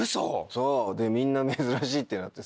そうみんな「珍しい」ってなって。